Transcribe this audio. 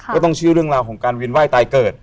ก็ต้องเชื่อเรื่องราวของการเวียนไห้ตายเกิด